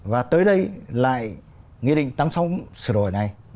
và tới đây lại nghị định tám mươi sáu xử hội này